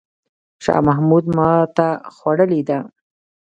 شاه محمود ماته خوړلې ده.